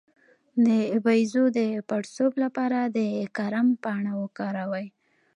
د بیضو د پړسوب لپاره د کرم پاڼه وکاروئ